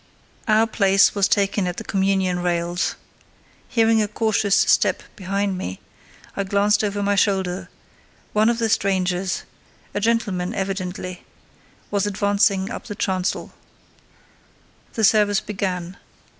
Our place was taken at the communion rails. Hearing a cautious step behind me, I glanced over my shoulder: one of the strangers—a gentleman, evidently—was advancing up the chancel. The service began.